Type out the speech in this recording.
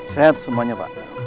sehat semuanya pak